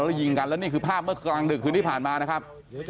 แล้วยิงกันแล้วนี่คือภาพเมื่อกลางดึกคืนที่ผ่านมานะครับ